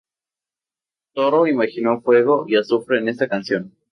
Toro imaginó fuego y azufre en esta canción.